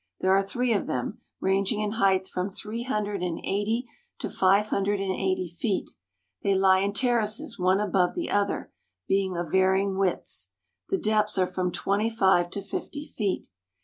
There are three of them, ranging in height from three hundred and eighty to five hundred and eighty feet. They lie in terraces one above the other, being of varying widths. The depths are from twenty five to fifty feet.